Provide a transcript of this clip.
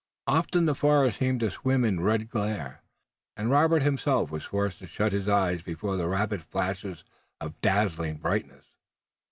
Often the forest seemed to swim in a red glare, and Robert himself was forced to shut his eyes before the rapid flashes of dazzling brightness.